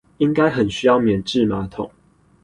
應該很需要免治馬桶